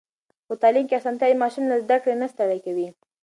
په تعلیم کې اسانتيا وي، ماشوم له زده کړې نه ستړی کوي.